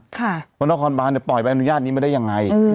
เพราะนครบาลเนี่ยปล่อยแบบอนุญาตนี้มาได้อย่างไร